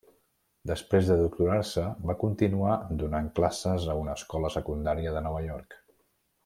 Després de doctorar-se, va continuar donant classes a una escola secundària de Nova York.